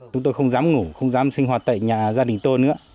chúng tôi không dám ngủ không dám sinh hoạt tại nhà gia đình tôi nữa